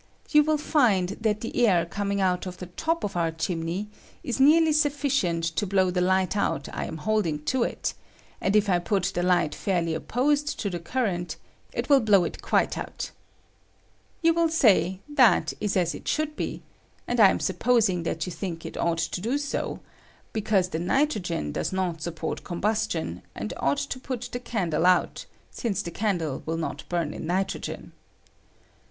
You will find that the air coming out of the top of our chimney is nearly sufficient to blow the light out I am holding to it ; and if I put the light fairly opposed to the current, it will blow it quite out You will say, that is as it should be, and I am supposing that you think 142 OTHER PB0DDCT3 FROM THE CANDLE. it ought to do SO, because the nitrogen does n support combustion, and ought to put the ca die out, since the candle will not bum in nitro gen.